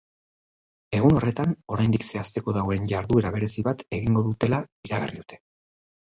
Egun horretan, oraindik zehazteko dagoen jarduera berezi bat egingo dutela iragarri dute.